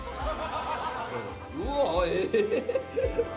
うわえぇ！